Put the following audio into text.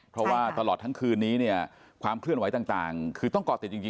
เพราะว่าตลอดทั้งคืนนี้เนี่ยความเคลื่อนไหวต่างคือต้องก่อติดจริง